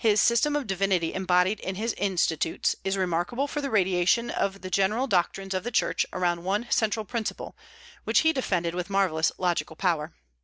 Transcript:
His system of divinity embodied in his "Institutes" is remarkable for the radiation of the general doctrines of the Church around one central principle, which he defended with marvellous logical power.